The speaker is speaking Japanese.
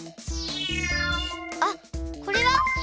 あっこれは？